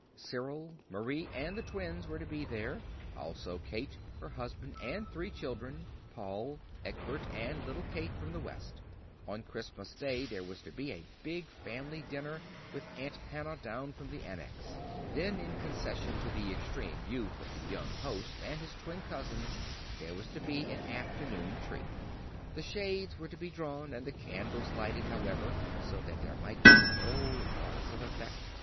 Cyril, Marie, and the twins were to be there, also Kate, her husband and three children, Paul, Egbert, and little Kate, from the West. On Christmas Day there was to be a big family dinner, with Aunt Hannah down from the Annex. Then, in concession to the extreme youth of the young host and his twin cousins, there was to be an afternoon tree. The shades were to be drawn and the candles lighted, however, so that there might be no loss of effect.